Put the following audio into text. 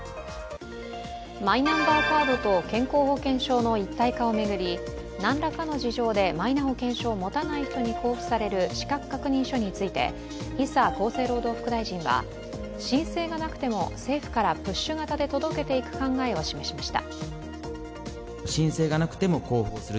マイナンバーカードと健康保険証の一体化を巡り何らかの事情でマイナ保険証を持たない人に交付される資格確認書について、伊佐厚生労働副大臣が申請がなくても、政府からプッシュ型で届けていく考えを示しました。